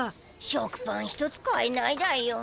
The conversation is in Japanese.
食パン一つ買えないだよ。